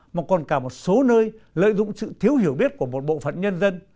mà còn cả một số nơi lợi dụng sự thiếu hiểu biết của một bộ phận nhân dân